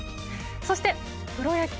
そして、プロ野球。